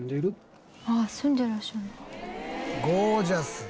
「ああ住んでらっしゃる？」